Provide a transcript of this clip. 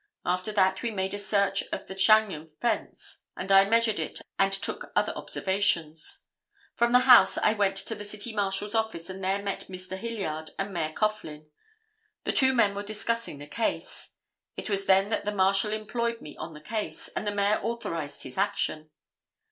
After that, we made search of the Chagnon fence, and I measured it and took other observations. From the house, I went to the City Marshal's office and there met Mr. Hilliard and Mayor Coughlin. The two men were discussing the case. It was then that the Marshal employed me on the case, and the Mayor authorized his action.